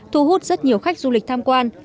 thu hút rất nhiều khách du lịch tham quan